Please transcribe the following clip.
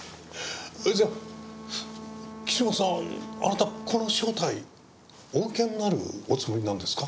じゃあ岸本さんあなたこの招待お受けになるおつもりなんですか？